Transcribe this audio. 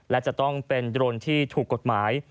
และจะต้องเป็นโดรนที่ถูกกฎหมาย